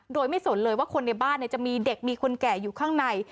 โดยไม่สนเลยว่าคนในบ้านจะมีเด็กมีคนแก่อยู่ข้างใน